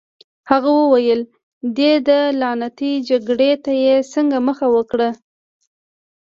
هغه وویل: دې لعنتي جګړې ته دې څنګه مخه وکړه؟